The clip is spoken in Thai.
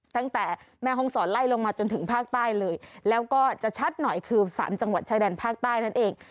ตั้งแต่แม่ห้องศรไล่ลงมาจนถึงภาคใต้เลยแล้วก็จะชัดหน่อยคือ๓จังหวัดชายแดนภาคใต้นั่นเอง